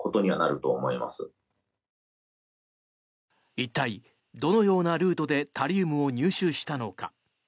一体、どのようなルートでタリウムを入手したのか。